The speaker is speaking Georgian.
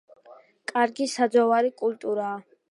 კარგი საძოვარი კულტურაა.